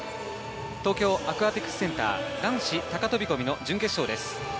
東京アクアティクスセンター、男子高飛込の準決勝です。